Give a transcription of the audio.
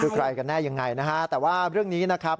คือใครกันแน่ยังไงนะฮะแต่ว่าเรื่องนี้นะครับ